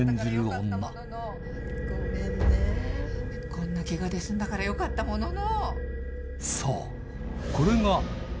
こんなケガで済んだからよかったものの！